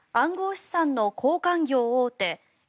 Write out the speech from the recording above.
暗号資産の交換業大手